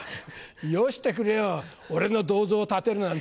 よしてくれよ俺の銅像を建てるなんて。